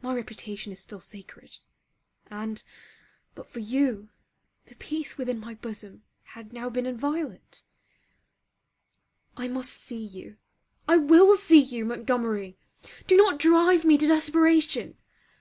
My reputation is still sacred: and, but for you, the peace within my bosom had now been inviolate. I must see you, I will see you, Montgomery! Do not drive me to desperation!